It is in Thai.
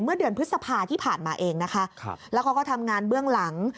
เมื่อเดือนพฤษภาที่ผ่านมาเองนะคะแล้วเขาก็ทำงานเบื้องหลัง